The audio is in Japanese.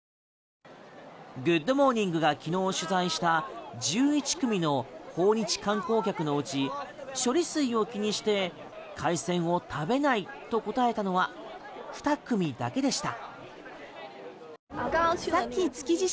「グッド！モーニング」が昨日取材した１１組の訪日観光客のうち処理水を気にして海鮮を食べないと答えたのは２組だけでした。